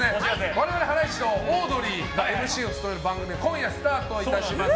我々ハライチとオードリーがＭＣを務める番組が今夜スタートいたします。